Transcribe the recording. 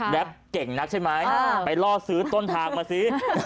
เก่งนักใช่ไหมไปล่อซื้อต้นทางมาซิ